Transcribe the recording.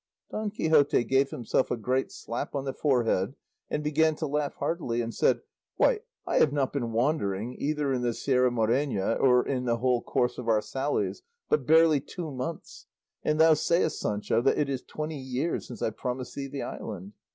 Don Quixote gave himself a great slap on the forehead and began to laugh heartily, and said he, "Why, I have not been wandering, either in the Sierra Morena or in the whole course of our sallies, but barely two months, and thou sayest, Sancho, that it is twenty years since I promised thee the island.